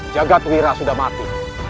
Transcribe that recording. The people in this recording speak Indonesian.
jagat wira sudah mati